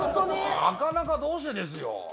なかなかどうしてですよ。